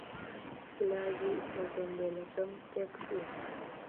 کلاجی ئۆتۆمبیلەکەم تێکچووە